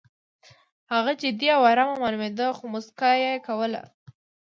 هغه جدي او ارامه معلومېده خو موسکا یې کوله